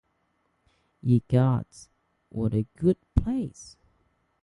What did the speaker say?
Ye gods, what a good place!